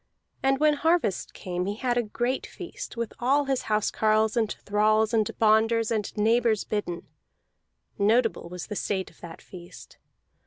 And when harvest came he had a great feast, with all his house carles and thralls and bonders and neighbors bidden; notable was the state of that feast.